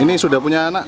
ini sudah punya anak